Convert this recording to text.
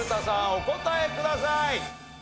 お答えください。